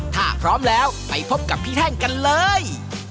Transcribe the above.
ถ้าพร้อมแล้วไปพบกับพี่แท่งกันเลย